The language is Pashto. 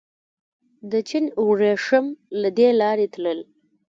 د چین وریښم له دې لارې تلل